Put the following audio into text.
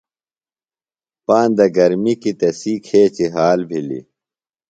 پاندہ گرمی کیۡ تسی کھیچیۡ حال بِھلیۡ۔